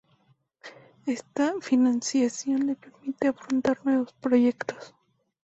Esta financiación le permite afrontar nuevos proyectos.